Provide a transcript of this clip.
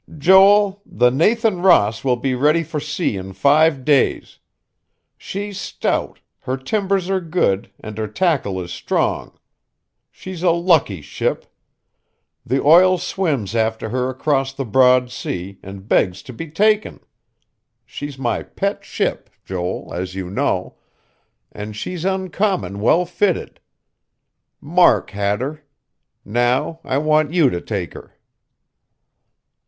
"Joel, the Nathan Ross will be ready for sea in five days. She's stout, her timbers are good and her tackle is strong. She's a lucky ship. The oil swims after her across the broad sea, and begs to be taken. She's my pet ship, Joel, as you know; and she's uncommon well fitted. Mark had her. Now I want you to take her."